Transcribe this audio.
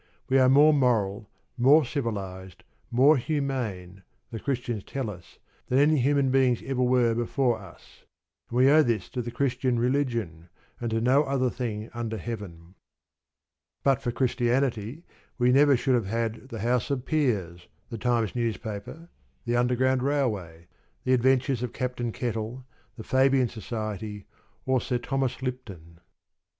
We are more moral, more civilised, more humane, the Christians tell us, than any human beings ever were before us. And we owe this to the Christian religion, and to no other thing under Heaven. But for Christianity we never should have had the House of Peers, the Times newspaper, the Underground Railway, the Adventures of Captain Kettle, the Fabian Society, or Sir Thomas Lipton.